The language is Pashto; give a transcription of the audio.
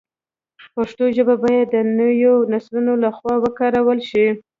پښتو ژبه باید د نویو نسلونو له خوا وکارول شي.